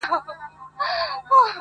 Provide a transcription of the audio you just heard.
ما ویلي وه چي ته نه سړی کيږې,